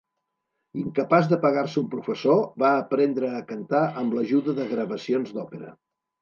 Incapaç de pagar-se un professor, va aprendre a cantar amb l'ajuda de gravacions d'òpera.